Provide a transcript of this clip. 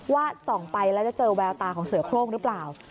ส่องไปแล้วจะเจอแววตาของเสือโครงหรือเปล่า